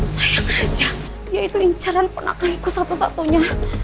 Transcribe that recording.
sayang aja dia itu inceran penaklengku satu satunya